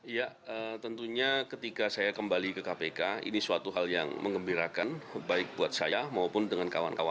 ya tentunya ketika saya kembali ke kpk ini suatu hal yang mengembirakan baik buat saya maupun dengan kawan kawan